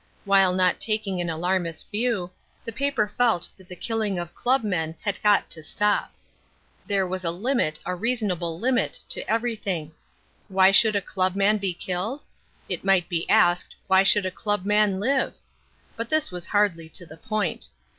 While not taking an alarmist view, the paper felt that the killing of club men had got to stop. There was a limit, a reasonable limit, to everything. Why should a club man be killed? It might be asked, why should a club man live? But this was hardly to the point.